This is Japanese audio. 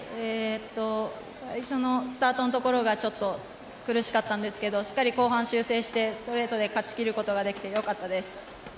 最初のスタートのところがちょっと苦しかったんですけどしっかり後半修正してストレートで勝ち切ることができて良かったです。